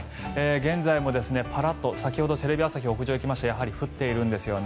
現在もパラッと先ほどテレビ朝日の屋上に行きましてやはり降っているんですよね。